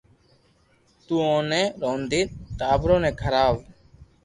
تو اوني رودين ٽاٻرو ني کراو